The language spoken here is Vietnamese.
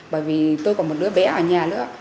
bởi vì tôi còn một đứa bé ở nhà nữa